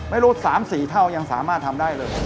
ไม่รู้๓๔เท่ายังสามารถทำได้เลย